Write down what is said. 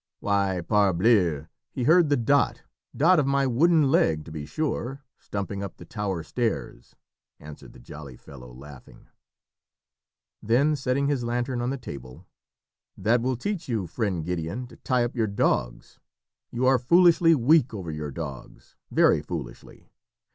"Why parbleu! he heard the dot, dot of my wooden leg, to be sure, stumping up the tower stairs," answered the jolly fellow, laughing. Then setting his lantern on the table "That will teach you, friend Gideon, to tie up your dogs. You are foolishly weak over your dogs very foolishly.